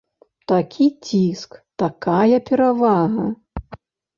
Такі ціск, такая перавага.